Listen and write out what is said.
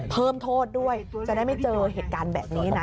เพิ่มโทษด้วยจะได้ไม่เจอเหตุการณ์แบบนี้นะ